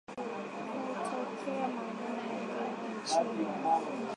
Hutokea maeneo mengi nchini